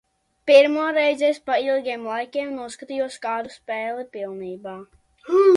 Pirmoreiz es pa ilgiem laikiem noskatījos kādu spēli pilnībā.